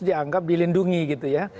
dianggap dilindungi gitu ya